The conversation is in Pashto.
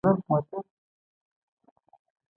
• د سهار یخ باد زړه ته خوشحالي ورکوي.